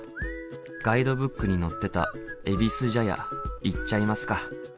ガイドブックに載ってたえびす茶屋行っちゃいますか。